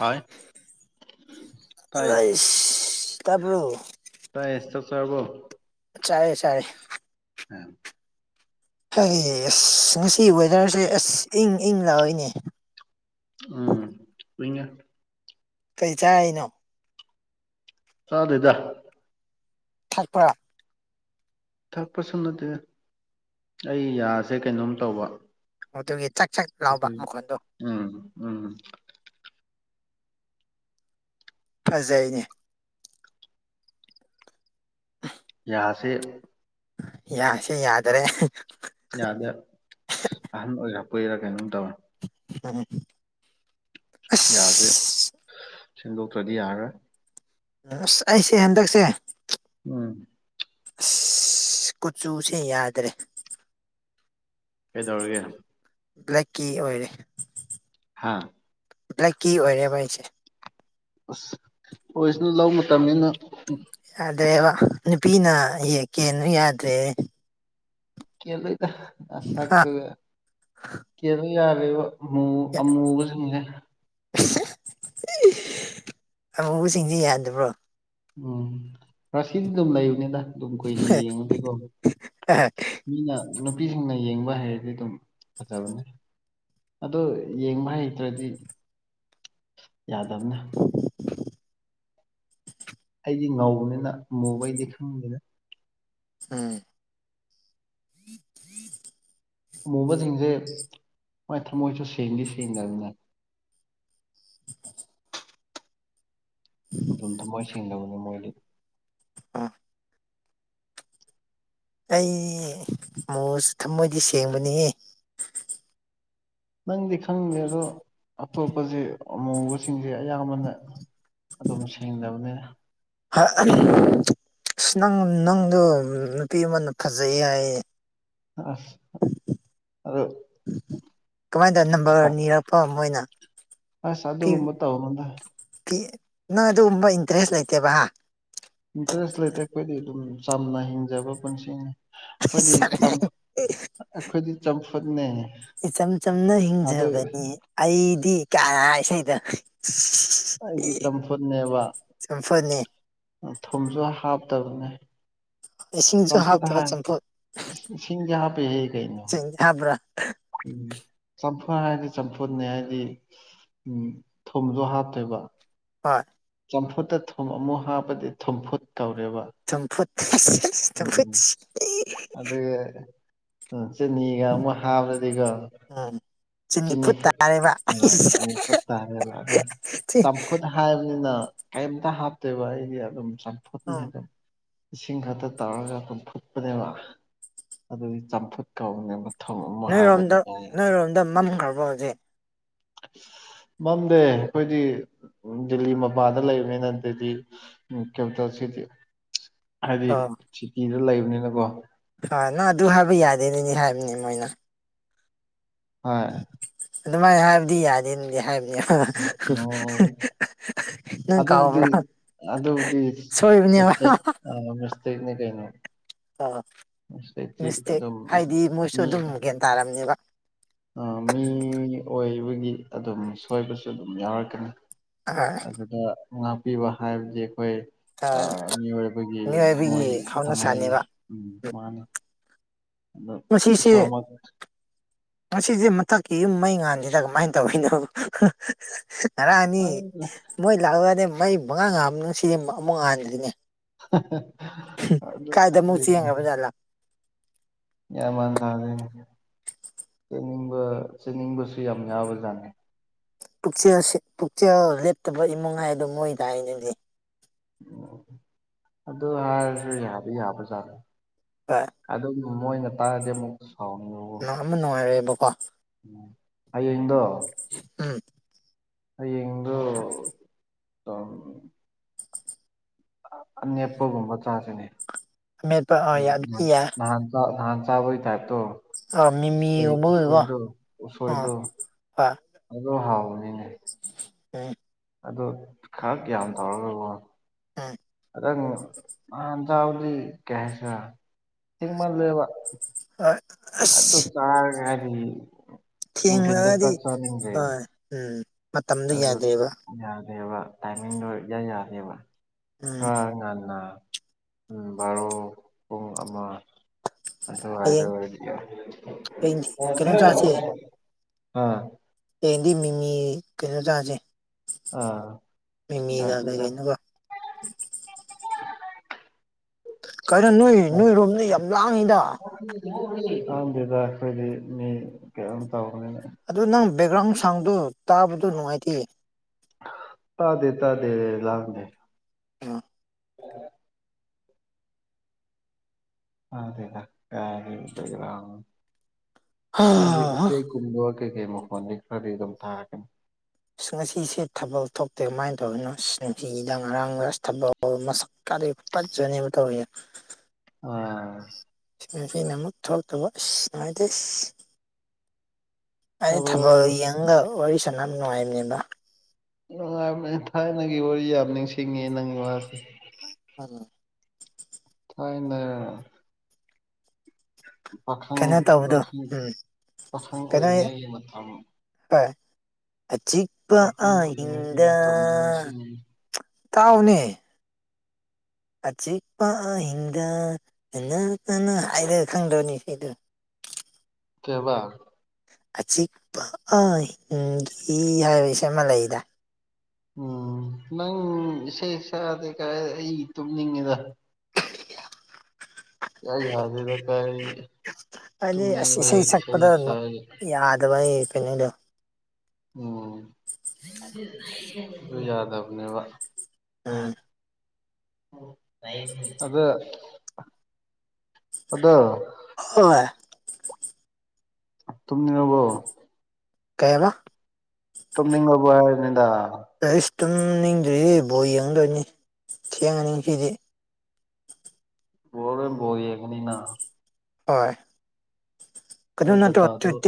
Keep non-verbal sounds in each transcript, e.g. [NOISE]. ꯍꯥꯏ ꯇꯥꯏ ꯑꯩꯁ ꯇꯕ꯭ꯔꯣ ꯇꯥꯏ ꯆꯥꯛ ꯆꯔꯕꯣ? ꯆꯥꯏꯌꯦ-ꯆꯥꯏꯌꯦ꯫ ꯎꯝ꯫ ꯍꯥꯏꯁ ꯉꯁꯤꯒꯤ ꯋꯦꯗꯔꯁꯦ ꯑꯁ ꯏꯪ-ꯏꯪ ꯂꯥꯛꯑꯣꯏꯅꯦ꯫ ꯎꯝ ꯢꯉꯦ꯫ ꯀꯩꯁ ꯆꯥꯏꯅꯣ? ꯆꯥꯗꯦꯗꯥ꯫ ꯊꯛꯄꯔ? ꯊꯛꯄꯁꯨ ꯅꯠꯇꯦ ꯑꯩ ꯌꯥꯁꯦ ꯀꯩꯅꯣꯝ ꯇꯧꯕ꯫ ꯃꯗꯨꯒꯤ ꯆꯥꯛ ꯆꯥꯛ ꯂꯥꯎꯕ ꯑꯗꯨꯢ ꯃꯈꯣꯟꯗꯣ ꯎꯝ-ꯎꯝꯝ꯫ ꯐꯖꯩꯅꯦ꯫ ꯌꯥꯁꯦ ꯌꯥ ꯁꯦ ꯌꯥꯗ꯭ꯔꯦ꯫ ꯌꯥꯁꯦ ꯑꯍꯟ ꯑꯣꯏꯔꯛꯄꯩꯔ ꯀꯩꯅꯣꯝ ꯇꯧꯔꯦ꯫ ꯍꯝ [INAUDIBLE] ꯌꯥꯁꯦ ꯁꯦꯡꯗꯣꯛꯇ꯭ꯔꯗꯤ ꯌꯥꯔꯔꯣꯏ꯫ ꯎꯁ ꯑꯩꯁꯦ ꯍꯟꯗꯛꯁꯦ ꯎꯝ꯫ ꯢꯁ ꯀꯨꯆꯨꯁꯦ ꯌꯥꯗ꯭ꯔꯦ꯫ ꯀꯩꯗꯧꯔꯒꯦ? ꯕ꯭ꯂꯦꯛꯀꯤ ꯑꯣꯏꯔꯦ꯫ ꯍꯥꯥ? ꯕ꯭ꯂꯦꯛꯀꯤ ꯑꯣꯢꯔꯦꯕ ꯑꯩꯁꯦ꯫ ꯑꯁ ꯑꯣꯏꯁꯅꯨ ꯂꯧ ꯃꯇꯝꯅꯤꯅ꯫ ꯌꯥꯗꯦꯕ ꯅꯨꯄꯤꯅ ꯀꯦꯅ ꯌꯥꯗ꯭ꯔꯦ꯫ ꯀꯦꯜꯂꯣꯢꯗ ꯍꯥ ꯅꯁꯛꯇꯨꯒ ꯀꯦꯜꯂꯨ ꯌꯥꯂꯣꯢꯕ꯫ ꯑꯃꯨ ꯑꯃꯨꯕꯁꯤꯡꯁꯦ ꯑꯃꯨꯕꯁꯤꯡꯗꯤ ꯌꯥꯗꯕ꯭ꯔꯣ ꯎꯝ ꯔꯥꯁꯤ ꯑꯗꯨꯝ ꯂꯩꯕꯅꯤꯗ ꯑꯗꯨꯝ ꯀꯨꯏꯅ ꯌꯦꯡꯉꯗꯤꯀ‌ꯣ ꯃꯤꯅ ꯅꯨꯄꯤꯁꯤꯡꯅ ꯌꯦꯡꯕ ꯍꯩꯔꯗꯤ ꯑꯗꯨꯝ ꯐꯖꯕꯅꯦ ꯑꯗꯣ ꯌꯦꯡꯕ ꯍꯩꯇ꯭ꯔꯗꯤ ꯌꯥꯗꯝꯅ‌ꯦ ꯑꯩꯗꯤ ꯉꯥꯎꯧꯕꯅꯤꯅ ꯃꯨꯕꯩꯗꯤ ꯈꯪꯗ‌ꯦꯗ ꯎꯝ ꯃꯨꯕꯁꯤꯡꯁꯦ ꯃꯣꯏ ꯊꯃꯣꯏꯁꯨ ꯁꯦꯡꯗꯤ ꯁꯦꯡꯗꯕꯅ‌ꯦ ‌ꯎꯝ ꯊꯃꯣꯏ ꯁꯦꯡꯗꯕꯅꯤ ꯃꯣꯏꯗꯤ ꯑꯥ ꯑꯩ ꯃꯨꯔꯁꯨ ꯊꯝꯃꯣꯏꯗꯤ ꯁꯦꯡꯕꯅꯤ ꯍ‌ꯦ ꯅꯪꯗꯤ ꯈꯪꯗꯦ ꯑꯗꯣ ꯑꯇꯣꯞꯄꯁ‌ꯦ ꯑꯃꯨꯕꯁꯤꯡꯁꯦ ꯑꯌꯥꯝꯕꯅ ꯑꯗꯨꯝ ꯁꯦꯡꯗꯕꯅꯦ ꯍ ꯑ ꯑꯁ ꯅꯪ ꯅꯪꯗꯣ ꯅꯨꯄꯤ ꯑꯃꯅ ꯐꯖꯩ ꯍꯥꯏꯌ‌ꯦ ꯑ ꯀꯃꯥꯏꯅ ꯇꯧ ꯅꯝꯕꯔ ꯐ- ꯅꯤꯔꯛꯄ ꯃꯣꯏꯅ ꯑꯁ ꯄꯤ ꯑꯗꯨꯒꯨꯝꯕ ꯇꯧꯅꯨꯗ ꯅꯪ ꯑꯗꯨꯒꯨꯝꯕ ꯏꯟꯇꯔꯦꯁ ꯂꯩꯇꯦꯕ ꯏꯟꯇꯔꯦꯁ ꯂꯩꯇ꯭ꯔ‌ꯦ ꯑꯩꯈꯣꯏꯗꯤ ꯑꯗꯨꯝ ꯆꯝꯅ ꯍꯤꯡꯖꯕ ꯄꯨꯟꯁꯤꯅꯤ ꯑꯩꯈꯣꯏꯗꯤ ꯆꯝꯐꯨꯠ ꯑꯩꯈꯣꯏꯗꯤ ꯆꯝꯐꯨꯠꯅ‌ꯦ ꯏꯆꯝ ꯆꯝꯅ ꯍꯤꯡꯖꯕꯅꯤ ꯑꯩꯗꯤ ꯀꯥꯅꯥ ꯏꯁꯩꯗ‌ꯣ ꯑꯩꯗꯤ ꯆꯝꯐꯨꯠꯅꯦꯕ ꯆꯝꯐꯨꯠꯅꯦ ꯊꯨꯝꯁꯨ ꯍꯥꯞꯇꯕꯅꯦ ꯏꯁꯤꯡꯁꯨ ꯆꯝꯐꯨꯠ ꯍꯥꯞꯇꯕ ꯍꯥ ꯆꯝꯐꯨꯠ ꯏꯁꯤꯡꯗꯤ ꯍꯥꯞꯄꯦ ꯍ‌ꯦ ꯀꯩꯅ‌ꯣ ꯍꯥꯞꯕ꯭ꯔꯥ ꯎꯝ ꯆꯝꯐꯨ ꯍꯥꯏꯗꯤ ꯆꯝꯐꯨꯅꯤ ꯍꯥꯏꯗꯤ ꯎꯝ ꯊꯨꯝꯖ‌ꯣ ꯍꯥꯞꯇꯣꯏꯕ ꯍꯣꯏ ꯆꯝꯐꯨꯠꯇ ꯊꯨꯝ ꯑꯃꯨꯛ ꯍꯥꯞꯄꯗꯤ ꯊꯨꯝꯐꯨꯠ ꯀꯧꯔꯦꯕ ꯆꯝꯄꯨꯠ ꯆꯝꯄꯨꯠꯁ ꯍ ꯎ ꯆꯤꯅꯤꯒ ꯑꯃꯨꯛ ꯍꯥꯞꯕ꯭ꯔꯗꯤꯀꯣ ꯎꯝ ꯆꯤꯅꯤ ꯐꯨꯠ ꯑ ꯆꯤꯅꯤ ꯐꯨꯠ ꯇꯥꯔ‌ꯦꯕ ꯑꯗ‌ꯣ ꯆꯝ ꯆꯝꯐꯨꯠ ꯍꯥꯏꯕꯅꯤꯅ ꯀꯩꯝꯇ ꯍꯥꯞꯇꯣꯏꯕ ꯑꯩꯗꯤ ꯑꯗꯨꯝ ꯆꯝꯐꯨꯠꯅꯦ ꯎꯝ ꯑꯗꯨꯝ ꯏꯁꯤꯡ ꯈꯛꯇ ꯇꯧꯔꯒ ꯑꯗꯨꯝꯐꯨꯠꯄꯅꯦꯕ ꯑꯗꯨꯒꯤ ꯆꯝꯐꯨꯠ ꯀꯧꯕꯅꯦꯕ ꯅꯣꯏꯔꯣꯝꯗ ꯅꯣꯏꯔꯣꯝꯗ ꯃꯝꯈ꯭ꯔꯕꯣ ꯍꯧꯖꯤꯛ ꯃꯝꯗꯦ ꯑꯩꯈꯣꯏꯗꯤ ꯗꯦꯜꯂꯤ ꯃꯕꯥꯥꯟꯗ ꯂꯩꯕꯅꯤꯅ ꯗꯦꯜꯂꯤ ꯀꯦꯄꯤꯇꯦꯜ ꯁꯤꯇꯤ ꯍꯥꯏꯗꯤ ꯁꯤꯇꯤꯗ ꯂꯩꯕꯅꯤꯅꯀꯣ ꯍꯣꯏ ꯅꯪ ꯑꯗꯨ ꯍꯥꯏꯕ ꯌꯥꯗꯦꯗꯅꯤ ꯍꯥꯏꯕꯅꯤ ꯃꯣꯏꯅ ꯍꯣꯏ ꯑꯗꯨꯃꯥꯏꯅ ꯍꯥꯏꯕꯗꯤ ꯌꯥꯗꯦꯗꯅꯤ ꯍꯥꯏꯕꯅꯤ ꯑꯣ ꯑꯗꯨꯕꯨꯗꯤ ꯑꯗꯨꯕꯨꯗꯤ ꯑ ꯁꯣꯏꯕꯅꯦꯕ ꯃꯤꯁꯇ‌ꯦꯛ ꯃꯤꯁꯇ‌ꯦꯛꯅꯤ ꯀꯩꯅ‌ꯣ ꯑ ꯃꯤꯁꯇꯦꯛ ꯑꯗꯨꯝ ꯍꯥꯏꯗꯤ ꯃꯣꯏꯁꯨ ꯃꯤ ꯑꯗꯨꯝ ꯒ꯭ꯌꯥꯟ ꯇꯥꯔꯝꯅꯦꯕ ꯃꯤ ꯑꯣꯏꯕꯒꯤ ꯑꯗꯨꯝ ꯁꯣꯏꯕꯁꯨ ꯑꯗꯨꯝ ꯌꯥꯎꯔꯛꯀꯅꯤ ꯑꯥ ꯑꯗꯨꯗ ꯉꯥꯛꯄꯤꯕ ꯍꯥꯏꯕꯗꯤ ꯑꯩꯈꯣꯏ ꯑꯥ ꯃꯤꯑꯣꯏꯕꯒꯤ ꯊꯝꯃꯣꯏ ꯃꯤꯑꯣꯏꯕꯒꯤ ꯊꯝꯃꯣꯏꯅꯤ ꯍꯧꯅꯁꯥꯅꯦꯕ ꯎꯝ ꯃꯥꯅꯤ ꯑꯗꯣ ꯉꯁꯤꯁꯦ ꯏꯁꯣꯔꯃꯛ ꯉꯁꯤꯁꯦ ꯃꯊꯛꯀꯤ ꯌꯨꯝ ꯃꯩ ꯉꯥꯟꯗꯦꯗ ꯀꯃꯥꯏ ꯇꯧꯌꯤꯅꯣ ꯉꯔꯥꯡꯗꯤ ꯑ ꯃꯣꯏ ꯂꯥꯛ [UNINTELLIGIBLE] ꯃꯩ ꯄꯨꯉꯥꯟ ꯉꯥꯟꯕꯅꯤ ꯉꯁꯤꯗꯤ ꯑꯃꯨꯛ ꯑꯃꯨꯛ ꯉꯥꯟꯗꯔꯤꯅꯦ ꯍꯨꯝ ꯑꯗꯨ ꯀꯥꯏꯗ ꯑꯃꯨꯛ ꯈꯪꯗꯦꯅꯦ ꯌꯦꯟꯒꯔꯕ ꯖꯥꯠꯂ ꯒꯤꯌꯥꯟꯃꯥꯟ ꯇꯥꯗꯦꯅꯦ ꯆꯠꯅꯤꯡꯕ ꯆꯠꯅꯤꯡꯕꯁꯨ ꯌꯥꯝ ꯌꯥꯎꯕꯖꯥꯠꯅꯤ ꯄꯨꯛꯆꯦꯜ ꯁꯦ ꯄꯨꯛꯆꯦꯜ ꯂꯦꯞꯇꯕ ꯏꯃꯨꯡ ꯍꯥꯏꯗꯣ ꯃꯣꯏ ꯇꯥꯏꯌꯦꯅꯦ ꯗꯨꯏ ꯑꯣ ꯑꯗꯨ ꯍꯥꯏꯔꯁꯨ ꯌꯥꯗꯤ ꯌꯥꯕꯖꯥꯠꯅꯦ ꯀꯩꯅꯣ ꯑꯗꯨꯝꯕꯨ ꯃꯣꯏꯅ ꯇꯥꯔꯗꯤ ꯑꯃꯨꯛꯇ ꯁꯥꯎꯅꯨꯋꯣ ꯑꯃ ꯅꯨꯡꯉꯥꯏꯔꯑꯦꯕꯀꯣ ꯍꯌꯦꯡꯗꯣ ꯎꯝ ꯍꯌꯦꯡꯗꯣ ꯇꯝ ꯑꯅꯦꯞꯄꯒꯨꯝꯕ ꯆꯥꯁꯤꯅꯦ ꯑꯃꯦꯠꯄ ꯌꯥꯕꯨꯗꯤꯌꯥꯏ ꯆꯥꯛ ꯅꯍꯥꯟ ꯆꯥꯕꯒꯤ ꯇꯥꯏꯞꯇꯣ ꯑꯥ ꯎꯁꯣꯏ ꯃꯤꯃꯤꯒꯨꯝꯕꯒꯤꯀꯣ ꯎꯁꯣꯏꯗꯣ ꯑꯥ ꯎꯁꯣꯏꯗꯣ ꯍꯣꯏ ꯑꯗꯣ ꯍꯥꯎꯕꯅꯤꯅꯦ [UNINTELLIGIBLE] ꯑꯗꯣ ꯈꯛ ꯌꯥꯝ ꯇꯧꯔꯒꯒꯣ [UNINTELLIGIBLE] ꯈꯗꯪ ꯅꯍꯥꯟ ꯆꯥꯕꯗꯤ ꯀꯩ ꯍꯥꯏꯁꯤꯔ ꯊꯦꯡꯃꯜꯂꯦꯕ ꯍꯣꯏ ꯑꯗꯨ ꯑꯁ ꯆꯥꯔ ꯒꯗꯤ ꯊꯦꯡꯂꯒꯗꯤ ꯍꯣꯏ ꯎꯝ ꯃꯇꯝꯗꯨ ꯑꯗꯨ ꯌꯥꯗꯦꯕ ꯌꯥꯗꯦꯕ ꯇꯥꯏꯃꯤꯡꯗꯣ ꯏꯃꯥ ꯌꯥꯗꯦꯕ ꯎꯝ ꯈꯔ ꯉꯟꯅ ꯎꯝ ꯕꯥꯔꯣ ꯄꯨꯡ ꯑꯃ ꯑꯗꯨꯋꯥꯏꯗ ꯍꯌꯦꯡ ꯑꯣꯏꯔꯖꯨ ꯌꯥꯏ ꯍꯌꯦꯡꯗꯤ ꯀꯩꯅꯣ ꯆꯥꯁꯦ [UNINTELLIGIBLE] ꯑꯥ ꯍꯌꯦꯡꯗꯤ ꯃꯤꯃꯤ ꯀꯩꯅꯣ ꯆꯥꯖꯦ ꯑꯥ ꯃꯤꯃꯤꯒ ꯆꯥꯁꯤ ꯀꯩ ꯆꯥꯁꯤ ꯀꯩꯅꯣꯒ ꯀꯩꯅꯣ ꯅꯣꯏ ꯆꯥꯁꯤ ꯅꯣꯏꯔꯣꯝꯗ ꯌꯥꯝ ꯂꯥꯡꯉꯤꯗ [UNINTELLIGIBLE] ꯑꯩꯈꯣꯏꯗꯤ ꯃꯤ ꯀꯩꯅꯣꯝ ꯇꯧꯕꯅꯤꯅ ꯑꯗꯨ ꯅꯪ ꯕꯦꯛꯒ꯭ꯔꯥꯎꯟ ꯁꯥꯎꯟꯗꯣ ꯇꯥꯕꯗꯣ ꯅꯨꯡꯉꯥꯏꯇꯦ ꯇꯥꯗꯦ ꯇꯗꯦ ꯂꯥꯡꯗꯦ [UNINTELLIGIBLE] ꯇꯗꯦꯗ [UNINTELLIGIBLE] ꯎꯆꯦꯛ [UNINTELLIGIBLE] ꯍꯥ ꯀꯩ ꯀꯩ ꯃꯈꯣꯟꯗꯤ ꯈꯔꯗꯤ ꯑꯗꯨꯝ ꯊꯥꯔꯛꯀꯅꯤ ꯑꯁ ꯉꯁꯤꯁꯦ ꯊꯕꯜ ꯊꯣꯛꯇꯦ ꯃꯥꯏꯅ ꯇꯧꯋꯤꯅꯣ ꯑꯁ [UNINTELLIGIBLE] ꯊꯤꯗ ꯉꯔꯥꯡ ꯑꯁ ꯊꯕꯛ ꯑꯣ ꯃꯁꯛꯀꯥ ꯐꯖꯅꯦꯕ ꯇꯧꯏ ꯑꯥ ꯉꯁꯤꯅ ꯑꯃꯨꯛ ꯊꯣꯛꯇꯕ ꯑꯁ ꯅꯨꯡꯉꯥꯏꯇꯦ ꯑꯩ ꯊꯕꯛ ꯊꯥꯕꯜ ꯌꯦꯡꯉꯒ ꯋꯥꯔꯤ ꯁꯅ ꯅꯨꯡꯉꯥꯏꯕꯅꯦꯕ ꯅꯨꯡꯉꯥꯏꯕꯅꯦ ꯊꯥꯏꯅꯒꯤ ꯋꯥꯔꯤ ꯌꯥꯝ ꯅꯤꯡꯁꯤꯡꯉꯦ ꯅꯪ ꯋꯥꯁꯦ [UNINTELLIGIBLE] ꯊꯥꯏꯅ ꯄꯥꯈꯪ ꯀꯩꯅꯣ ꯇꯧꯕꯗꯣ ꯄꯥꯈꯪ ꯎꯝ ꯄꯥꯈꯪ ꯀꯩꯅꯣ ꯑꯣꯏꯔꯤꯉꯩꯒꯤ ꯃꯇꯝ ꯍꯣꯏ ꯑꯆꯤꯛ ꯋꯥꯈꯪ ꯑꯣꯏꯔꯤꯉꯩꯒꯤ ꯃꯇꯝꯁꯤ ꯅꯤꯡꯁꯤꯡꯅꯔꯤ ꯇꯥꯎꯅꯦ ꯑꯆꯤꯛꯄ ꯍꯤꯡꯗ [UNINTELLIGIBLE] [UNINTELLIGIBLE] ꯍꯥꯏꯔ ꯈꯪꯗ꯭ꯔꯣꯅꯦ ꯢꯁꯩꯗꯣ ꯀꯩꯕ ꯑꯆꯤꯛꯄ ꯑꯍꯤꯡꯒꯤ ꯍꯥꯏꯕ ꯢꯁꯟ ꯑꯃ ꯂꯩꯗꯥꯢ ꯎꯝ ꯅꯪ ꯏꯁꯩ ꯁꯥꯛꯑꯗꯤ ꯀ ꯑꯩ ꯇꯨꯝꯅꯤꯡꯉꯦꯗ ꯢꯌꯥ ꯌꯥꯗꯦꯗ ꯀꯔꯤ ꯍꯥꯏꯗꯤ ꯑꯁ ꯏꯁꯩ ꯁꯛꯄꯗ ꯁꯛꯑꯒ ꯌꯥꯗꯕ ꯑꯩ ꯀꯩꯅꯣꯗꯣ ꯎꯝ ꯑꯗꯨ ꯌꯥꯗꯕꯅꯦꯕ ꯑ ꯎꯝ [INAUDIBLE] ꯑꯗꯨ ꯑꯗꯣ ꯍꯣꯢ ꯇꯨꯝꯅꯤꯡꯔꯕꯣ ꯀꯩ ꯍꯥꯢꯕ ꯇꯨꯝꯅꯤꯡꯉꯕꯣ ꯍꯥꯏꯕꯅꯤꯗ ꯑꯩꯁ ꯇꯨꯝꯅꯤꯡꯗ꯭ꯔꯤ ꯕꯣꯜ ꯌꯦꯡꯗꯣꯏꯅꯤ ꯊꯦꯡꯉꯅꯤ ꯉꯁꯤꯗꯤ ꯕꯣꯜꯗ ꯕꯣꯜ ꯌꯦꯡꯒꯅꯤꯅ ꯍꯣꯏ ꯀꯩꯅꯣ ꯑꯩ ꯅꯠꯇ꯭ꯔꯣ ꯗꯇꯥꯗꯣ [UNINTELLIGIBLE]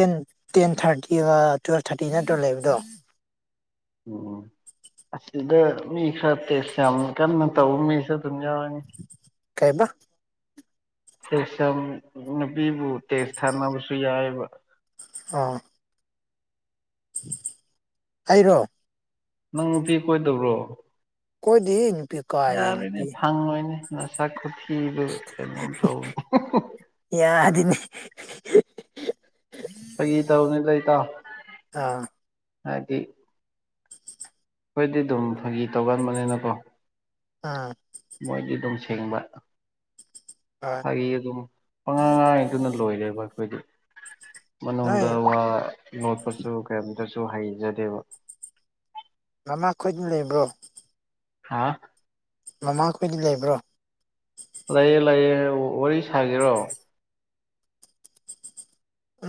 ꯇꯦꯟ ꯊꯥꯔꯇꯤꯒ ꯇꯨꯋꯦꯜꯞ ꯊꯥꯔꯇꯤ ꯅꯠꯇ꯭ꯔꯣ ꯂꯩꯕꯗꯣ ꯎꯝ ꯑꯁꯤꯗ ꯃꯤ ꯈꯔ ꯇꯦꯁ ꯌꯥꯝ ꯀꯟꯅ ꯇꯧꯕ ꯃꯤꯁꯨ ꯑꯗꯨꯝ ꯌꯥꯎꯋꯤꯅꯦ ꯀꯩꯕꯥ ꯇꯦ ꯁꯝ ꯅꯨꯄꯤꯕꯨ ꯇꯦꯁ ꯊꯥꯅꯕꯁꯨ ꯌꯥꯏꯑꯦꯕ ꯑꯥ ꯑꯩꯔꯣ ꯅꯪ ꯅꯨꯄꯤ ꯀꯣꯏꯗꯕ꯭ꯔꯣ ꯀꯣꯢꯗꯦꯍꯦ ꯅꯨꯄꯤ ꯀꯥꯏꯗꯩ ꯌꯥꯔꯣꯏꯅꯦ ꯅꯨꯄꯤ ꯐꯪꯉꯣꯏꯅꯦ ꯅꯁꯥꯛ ꯈꯨꯊꯤꯗꯨꯒ ꯀꯩꯅꯣꯝ ꯇꯧꯋꯦ ꯌꯥꯗꯦꯅꯦ ꯐꯥꯒꯤ ꯇꯧꯕꯅꯤꯗ ꯢꯇꯧ ꯑꯥ ꯍꯥꯏꯗꯤ ꯑꯩꯈꯣꯏꯗꯤ ꯑꯗꯨꯝ ꯐꯥꯒꯤ ꯇꯧꯒꯟꯕꯅꯤꯅꯀꯣ ꯑꯥ ꯊꯥꯃꯣꯏꯗꯤ ꯑꯗꯨꯝ ꯁꯦꯡꯕ ꯍꯣꯢ ꯐꯥꯒꯤ ꯑꯗꯨꯝ ꯄꯥꯉꯥꯡ ꯉꯥꯡꯉꯤꯗꯨꯅ ꯂꯣꯏꯔꯦꯕ ꯑꯩꯈꯣꯏꯗꯤ ꯅꯣꯏ ꯃꯅꯨꯡꯗ ꯋꯥ ꯂꯣꯠꯄꯁꯨ ꯀꯔꯤꯝꯇꯁꯨ ꯍꯩꯖꯗꯦꯕ ꯃꯃꯥ ꯈꯣꯏꯗꯤ ꯂꯩꯕ꯭ꯔꯣ ꯍꯥꯥ ꯃꯃꯥꯈꯣꯏꯗꯤ ꯂꯩꯕ꯭ꯔꯣ ꯂꯩꯌꯦ ꯂꯩꯌꯦ ꯋꯥꯔꯤ ꯁꯥꯒꯦꯔꯣ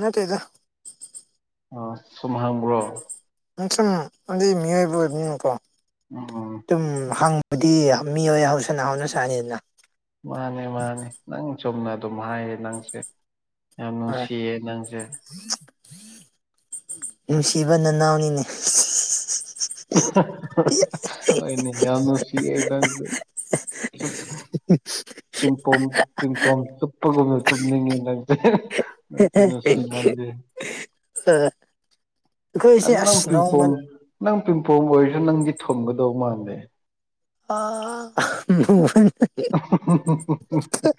ꯅꯠꯇꯦꯗ ꯑꯥ ꯁꯨꯝ ꯍꯥꯡꯕ꯭ꯔꯣ ꯁꯨꯝ ꯑꯗꯨꯢ ꯃꯤꯑꯣꯏꯕ ꯑꯣꯏꯕꯅꯤꯅꯀꯣ ꯑꯝ ꯁꯨꯝ ꯍꯪꯕꯗꯤ ꯃꯤꯑꯣꯏ ꯍꯧꯁꯅ ꯍꯧꯅ ꯁꯥꯅꯤꯗꯅ ꯃꯥꯅꯦ ꯃꯥꯅꯦ ꯅꯪ ꯆꯨꯝꯅ ꯑꯗꯨꯝ ꯍꯥꯏꯌꯦ ꯅꯪꯁꯦ ꯌꯥꯝ ꯍꯣꯏ ꯅꯨꯡꯁꯤꯌꯦ ꯅꯪꯁꯦ ꯅꯨꯡꯁꯤꯕ ꯅꯅꯥꯎꯅꯤꯅꯦ ꯩꯅ ꯁꯤ [UNINTELLIGIBLE] ꯑ [UNINTELLIGIBLE] ꯄꯤꯟꯄꯣꯝ ꯄꯤꯟꯄꯣꯝ ꯆꯨꯞꯄꯒꯨꯝꯅ ꯆꯨꯞꯅꯤꯡꯉꯦ ꯅꯪꯁꯦ ꯅꯪꯁꯦ ꯅꯨꯡꯁꯤꯃꯜꯂꯤ ꯑ [UNINTELLIGIBLE] ꯑꯩꯈꯣꯏꯁꯦ ꯑꯗꯨ ꯅꯪ ꯑꯁ ꯄꯤꯡꯄꯣꯝ ꯅꯧꯃꯟ ꯅꯪ ꯄꯤꯝꯄꯣꯡ ꯑꯣꯏꯔꯁꯨ ꯅꯪꯗꯤ ꯊꯨꯝꯒꯗꯧ ꯃꯥꯟꯗꯦ ꯑ [UNINTELLIGIBLE] [UNINTELLIGIBLE]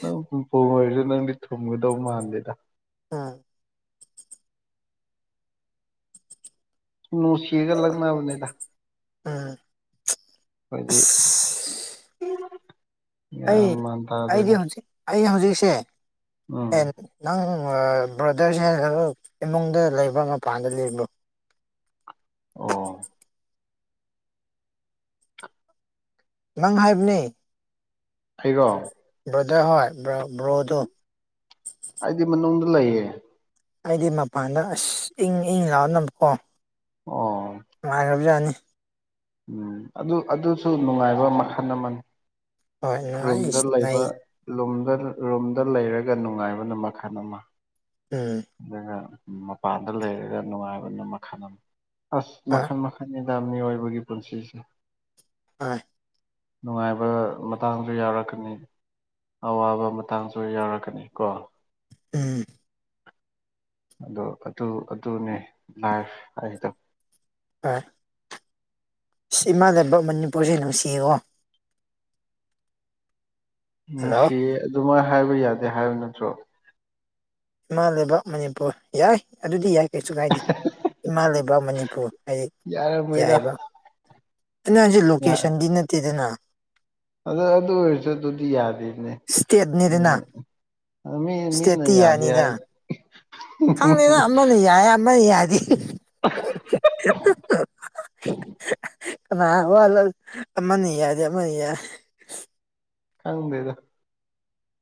ꯅꯪ ꯄꯤꯡꯄꯣꯡ ꯑꯣꯏꯔꯁꯨ ꯅꯪꯗꯤ ꯊꯨꯝꯒꯗꯧ ꯃꯥꯟꯗꯦꯗ ꯎꯝ ꯅꯨꯡꯁꯤꯔꯒ ꯂꯛꯅꯕꯅꯤꯗ ꯑꯩꯈꯣꯏꯗꯤ [UNINTELLIGIBLE] ꯑꯩ ꯒ꯭ꯌꯥꯟ ꯃꯥꯟ ꯑꯩꯗꯤ ꯇꯥꯗꯦꯗ ꯍꯧꯖꯤꯛ ꯑꯩ ꯍꯧꯖꯤꯛꯁꯦ ꯎꯝ ꯅꯪ ꯑꯥ ꯕ꯭ꯔꯣꯗꯔꯁꯦ ꯈ ꯏꯃꯨꯡꯗ ꯂꯩꯕ ꯃꯄꯥꯟꯗ ꯂꯩꯕ꯭ꯔꯣ ꯑꯣ ꯅꯪ ꯍꯥꯏꯕꯅꯦ ꯍꯥꯏꯒꯣ ꯕ꯭ꯔꯣꯗꯔ ꯍꯣꯢ ꯕꯔꯣ ꯕꯔꯣꯗꯣ ꯑꯩꯗꯤ ꯃꯅꯨꯡꯗ ꯂꯩꯌꯦ ꯑꯩꯗꯤ ꯃꯄꯥꯟꯗ ꯑꯁ ꯏꯪ ꯏꯪ ꯂꯥꯎ ꯅꯝꯀꯣ ꯑꯣ ꯅꯨꯡꯉꯥꯢꯈ꯭ꯔꯕ ꯌꯥꯅꯤ ꯎꯝ ꯑꯗꯨ ꯑꯗꯨꯁꯨ ꯅꯨꯡꯉꯥꯏꯕ ꯃꯈꯜ ꯑꯃꯅꯤ ꯍꯣꯏ ꯅꯨꯡꯉꯥꯏ ꯔꯨꯝꯗ ꯁꯤꯅꯩ ꯂꯩꯕꯗ ꯔꯨꯝꯗ ꯔꯨꯝꯗ ꯂꯩꯔꯒ ꯅꯨꯡꯉꯥꯏꯕꯅ ꯃꯈꯜ ꯑꯃ ꯎꯝ ꯑꯗꯨꯒ ꯃꯄꯥꯟꯗ ꯂꯩꯔꯒ ꯅꯨꯡꯉꯥꯏꯕꯅ ꯃꯈꯜ ꯑꯃ ꯑꯁ ꯍꯣꯏ ꯃꯈꯜ ꯃꯈꯜ ꯅꯤꯗ ꯑꯣꯏꯕꯒꯤ ꯄꯨꯟꯁꯤꯁꯦ ꯑꯦꯢ ꯅꯨꯡꯉꯥꯏꯕ ꯃꯇꯥꯡꯁꯨ ꯌꯥꯎꯔꯛꯀꯅꯤ ꯑꯋꯥꯕ ꯃꯇꯥꯡꯁꯨ ꯌꯥꯎꯔꯛꯀꯅꯤ ꯀꯣ ꯎꯝ ꯑꯗꯣ ꯑꯗꯨ ꯑꯗꯨꯅꯦ ꯂꯥ꯭ꯏꯞ ꯍꯥꯏꯗꯣ ꯍꯣꯏ ꯏꯃꯥꯟ ꯂꯩꯕꯥꯛ ꯃꯅꯤꯄꯨꯔꯁꯦ ꯅꯨꯡꯁꯤꯌꯦꯀꯣ ꯍꯜꯂꯣ ꯉꯁꯤ ꯑꯗꯨꯃꯥꯏꯅ ꯍꯥꯏꯕ ꯌꯥꯗꯦ ꯍꯥꯏꯕ ꯅꯠꯇ꯭ꯔꯣ ꯏꯃꯥ ꯂꯩꯕꯥꯛ ꯃꯅꯤꯄꯨꯔ ꯌꯥꯏ ꯑꯗꯨꯗꯤ ꯌꯥꯏ ꯀꯩꯁꯨ ꯀꯥꯏꯗꯦ ꯏꯃꯥ ꯂꯩꯕꯥꯛ ꯃꯅꯤꯄꯨꯔ ꯍꯥꯏꯗꯤ ꯌꯥꯔꯝꯃꯣꯏꯗ ꯌꯥꯏꯕ ꯑꯩꯅꯥ ꯍꯥꯢꯁꯦ ꯂꯣꯀꯦꯁꯟꯗꯤ ꯅꯠꯇꯦꯗꯅ ꯑꯗꯣ ꯑꯗꯨ ꯑꯣꯏꯔꯁꯨ ꯑꯗꯨꯗꯤ ꯌꯥꯗꯦꯅꯦ ꯎꯝ ꯏꯁꯇꯦꯠꯅꯤꯗꯅ ꯑꯗꯨ ꯃꯤ ꯃꯤꯅ ꯌꯥꯗꯦ ꯏꯁꯇꯦꯇꯤꯌꯥꯅꯤꯅ ꯍꯥꯏ ꯈꯪꯗꯦꯅ ꯑꯃꯅ ꯌꯥꯏ ꯑꯃꯅ ꯌꯥꯗꯤ [UNINTELLIGIBLE] ꯑ ꯋꯥꯜ ꯑꯃꯅꯤꯅꯤ ꯌꯥꯗꯤ ꯑꯃꯅꯤ ꯌꯥꯔ ꯈꯪꯗꯦꯗ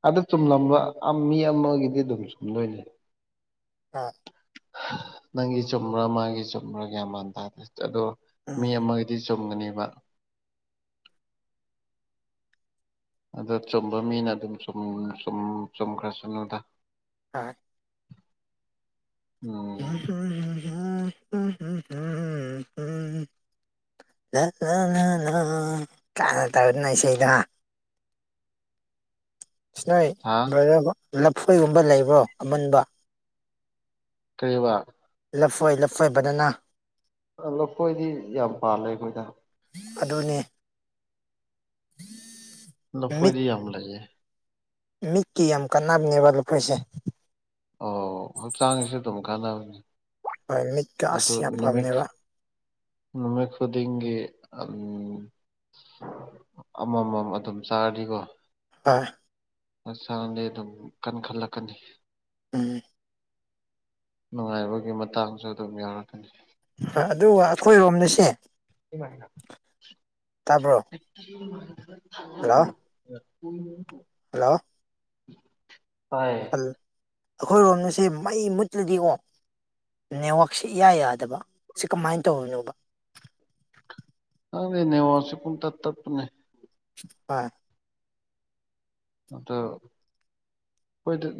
ꯑꯗꯨ ꯆꯨꯝꯂꯝꯕ ꯃꯤ ꯑꯃꯒꯤꯗꯤ ꯑꯗꯨꯝ ꯆꯨꯝꯗꯣꯏꯅꯦ ꯑꯥ ꯅꯪꯒꯤ ꯆꯨꯝꯕ꯭ꯔꯥ ꯃꯥꯒꯤ ꯆꯨꯝꯕ꯭ꯔꯥ ꯒ꯭ꯌꯥꯟꯃꯥꯟ ꯇꯥꯗ꯭ꯔ ꯑꯗꯣ ꯃꯤ ꯎꯝ ꯑꯃꯒꯤ ꯗꯤ ꯆꯨꯝꯒꯅꯦꯕ ꯑꯗ ꯆꯨꯝꯕ ꯃꯤꯅ ꯑꯗꯨꯝ ꯆꯨꯝ ꯆꯨꯝ ꯆꯨꯝꯈ꯭ꯔꯁꯅꯨꯗ ꯍ ꯎꯝ [UNINTELLIGIBLE] ꯎꯝ ꯂ ꯂ ꯇꯕꯗꯨ ꯅꯁꯩꯗꯣ ꯁꯤꯁ ꯅꯣꯏ ꯍꯥ ꯂꯣꯏꯔꯕꯣ ꯂꯐꯣꯏꯒꯨꯝꯕ ꯂꯩꯕ꯭ꯔꯣ ꯑꯃꯨꯟꯕ ꯀꯔꯤꯕ ꯂꯐꯣꯏ ꯂꯐꯣꯏ ꯕꯅꯥꯅ ꯑ ꯂꯐꯣꯏꯗꯤ ꯌꯥꯝ ꯄꯥꯜꯂꯦ ꯑꯩꯈꯣꯏꯗ ꯑꯗꯨꯅꯤ ꯃꯤꯠ ꯂꯐꯣꯏꯗꯤ ꯌꯥꯝ ꯂꯩꯌꯦ ꯃꯤꯠꯀꯤ ꯌꯥꯝ ꯀꯥꯟꯅꯕꯅꯦꯕ ꯂꯈꯣꯏꯁꯦ ꯑꯣ ꯍꯛꯆꯥꯡꯒꯤꯁꯨ ꯑꯗꯨꯝ ꯀꯥꯟꯅꯕꯅꯤ ꯍꯣꯏ ꯃꯤꯠꯀꯥꯁ ꯌꯥꯝ ꯐꯥꯕꯅꯦꯕ ꯅꯃꯤꯠ ꯈꯨꯗꯤꯛꯒꯤ ꯑꯗꯨꯝ ꯑꯃꯃꯝ ꯑꯗꯨꯝ ꯆꯥꯔꯗꯤꯀꯣ ꯍꯣꯏ ꯍꯛꯆꯥꯛꯗꯤ ꯑꯗꯨꯝ ꯀꯟ ꯈꯜꯂꯛꯀꯅꯤ ꯎꯝ ꯅꯨꯡꯉꯥꯏꯕꯒꯤ ꯃꯇꯥꯡꯁꯨ ꯑꯗꯨꯝ ꯌꯥꯎꯔꯛꯀꯅꯤ ꯑꯗꯨꯒ ꯑꯩꯈꯣꯏꯔꯣꯝꯗꯁꯦ ꯏꯃꯥꯏꯅ ꯇ꯭ꯕꯔꯣ [INAUDIBLE] ꯍꯜꯂꯣ ꯍꯣꯏ ꯑꯩꯈꯣꯏꯔꯣꯝꯅꯁꯦ ꯃꯩ ꯃꯨꯠꯂꯗꯤꯉꯣ ꯅꯦꯠꯋꯥꯛꯁꯤ ꯏꯌꯥ ꯌꯥꯗꯕ ꯁꯤ ꯀꯃꯥꯏꯅ ꯇꯧꯔꯤꯅꯣꯕ ꯈꯪꯗꯦ ꯅꯦꯋꯥꯛ ꯁꯤ ꯄꯨꯡ ꯇꯠ ꯇꯠꯄꯅꯦ ꯍꯣꯏ ꯑꯗꯣ ꯍꯣꯏꯗ